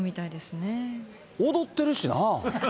踊ってるしな。